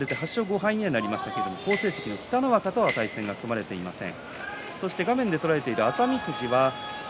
今日敗れて８勝５敗になりましたけども好成績の北の若との対戦が組まれていません。